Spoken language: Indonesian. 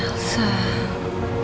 kamu itu udah tenang